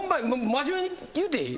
真面目に言うていい？